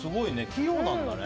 器用なんだね。